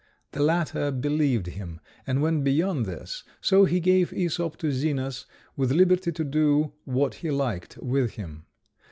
The latter believed him, and went beyond this, for he gave Æsop to Zenas, with liberty to do what he liked with him.